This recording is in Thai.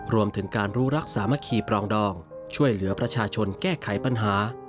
รวมถึงการรู้รักสามัคคีปรองดองช่วยเหลือประชาชนแก้ไขปัญหา